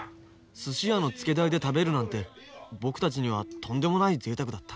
寿司屋のツケ台で食べるなんて僕たちにはとんでもないぜいたくだった。